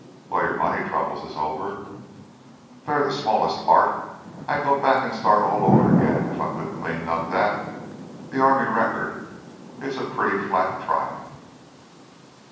"Well, your money troubles is over " "They're the smallest part. I'd go back and start all over again if I could clean up that that army record. It's a pretty flat triumph."